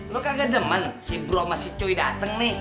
lo kagak demen si bro sama si cuy dateng nih